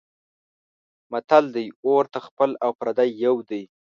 متل دی: اور ته خپل او پردی یو دی.